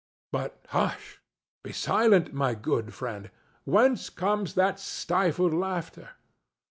—But hush! Be silent, my good friend! Whence comes that stifled laughter?